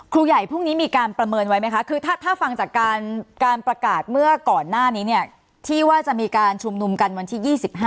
ครูใหญ่พรุ่งนี้มีการประเมินไว้ไหมคะคือถ้าฟังจากการประกาศเมื่อก่อนหน้านี้เนี่ยที่ว่าจะมีการชุมนุมกันวันที่๒๕